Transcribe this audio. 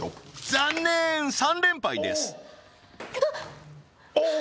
残念３連敗ですあっ！